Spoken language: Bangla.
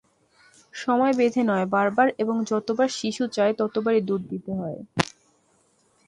সময় বেঁধে নয়, বারবার এবং যতবার শিশু চায়, ততবারই দুধ দিতে হবে।